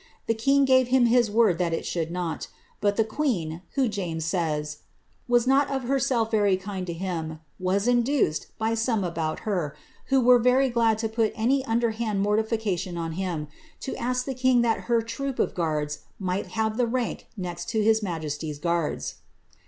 The king gave him his word that it should not ; but the queen, who, James says, ^^ was not of herself very kind to him, was induced, by some about her, who were very glad to put any underhand mortification on him, to ask the king that her troop of guards might liave the rank next to his majesty's guards."